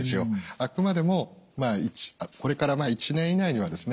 あくまでもこれから１年以内にはですね